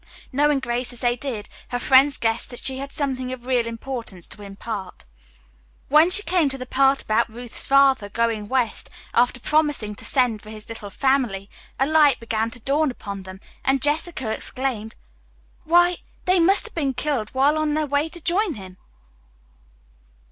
Knowing Grace as they did, her friends guessed that she had something of real importance to impart. When she came to the part about Ruth's father going west after promising to send for his little family, a light began to dawn upon them, and Jessica exclaimed: "Why, they must have been killed while on their way to join him!"